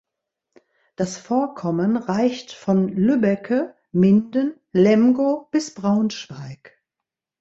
Das Vorkommen reicht von Lübbecke, Minden, Lemgo bis Braunschweig.